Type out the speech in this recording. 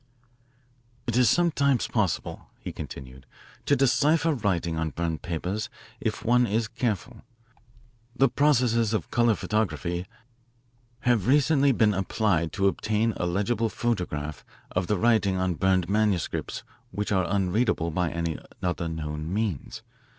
"It is sometimes possible," he continued, "to decipher writing on burned papers if one is careful. The processes of colour photography have recently been applied to obtain a legible photograph of the writing on burned manuscripts which are unreadable by any other known means.